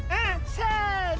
せの。